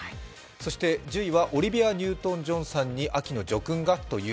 そして１０位は、オリビア・ニュートン・ジョンさんに秋の叙勲がという。